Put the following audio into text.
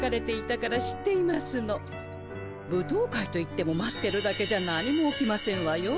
舞踏会といっても待ってるだけじゃ何も起きませんわよ。